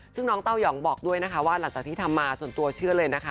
ซึ่งน้องเต้ายองบอกด้วยนะคะว่าหลังจากที่ทำมาส่วนตัวเชื่อเลยนะคะ